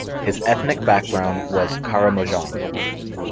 His ethnic background was Karamojong.